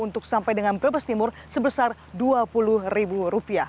untuk sampai dengan brebes timur sebesar rp dua puluh